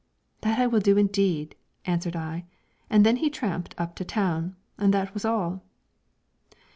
'That I will do, indeed,' answered I; and then he tramped up to town, and that was all.